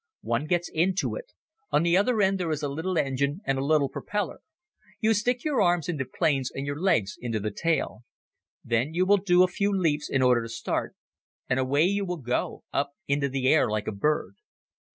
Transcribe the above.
One gets into it. On the one end there is a little engine, and a little propeller. You stick your arms into planes and your legs into the tail. Then you will do a few leaps in order to start and away you will go up into the air like a bird.